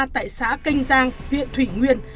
tại xã kinh giang huyện thủy nguyên